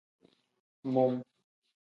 Mum.